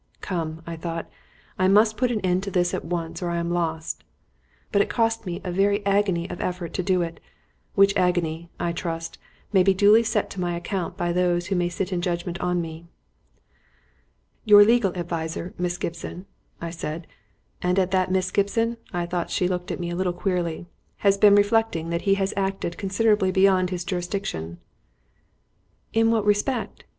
"Come," I thought, "I must put an end to this at once, or I am lost." But it cost me a very agony of effort to do it which agony, I trust, may be duly set to my account by those who may sit in judgement on me. "Your legal adviser, Miss Gibson," I said (and at that "Miss Gibson" I thought she looked at me a little queerly), "has been reflecting that he has acted considerably beyond his jurisdiction." "In what respect?"